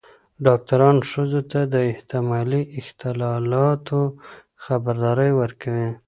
ډاکتران ښځو ته د احتمالي اختلالاتو خبرداری ورکوي.